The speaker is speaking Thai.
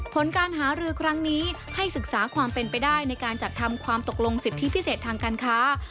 ผลการหารือครั้งนี้ให้ศึกษาความเป็นไปได้ในการจัดทำความตกลงสิทธิพิเศษทางการค้า